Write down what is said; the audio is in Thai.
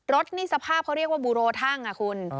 รถนี่สภาพเขาเรียกว่าบูโรทั่งอ่ะคุณ